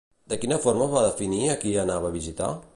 De quina forma va definir a qui anava a visitar?